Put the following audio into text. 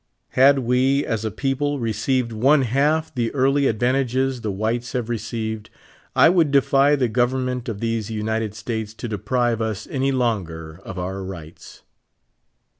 Mad we as a people received one half the early advant ages the whites have received, I would defy the Govern ment of these United States to deprive us any longer of our rights.